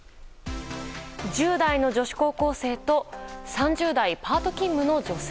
１０代の女子高校生と３０代パート勤務の女性。